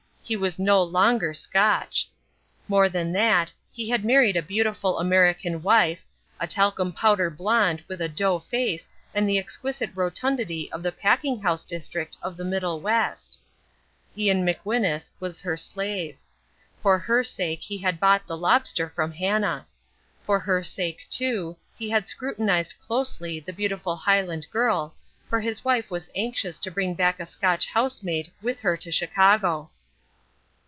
He was no longer Scotch. More than that, he had married a beautiful American wife, a talcum powder blonde with a dough face and the exquisite rotundity of the packing house district of the Middle West. Ian McWhinus was her slave. For her sake he had bought the lobster from Hannah. For her sake, too, he had scrutinised closely the beautiful Highland girl, for his wife was anxious to bring back a Scotch housemaid with her to Chicago.